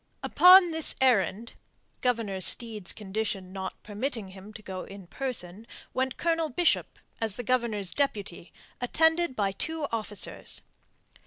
Upon this errand Governor Steed's condition not permitting him to go in person went Colonel Bishop as the Governor's deputy, attended by two officers.